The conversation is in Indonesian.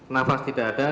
nafas tidak ada